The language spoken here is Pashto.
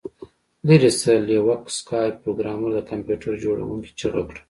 لیرې شه لیوک سکای پروګرامر د کمپیوټر جوړونکي چیغه کړه